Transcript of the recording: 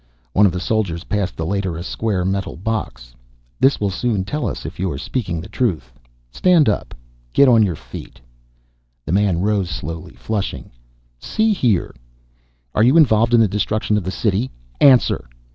One of the soldiers passed the Leiter a square metal box. "This will soon tell us if you're speaking the truth. Stand up. Get on your feet." The man rose slowly, flushing. "See here " "Are you involved in the destruction of the city? Answer!"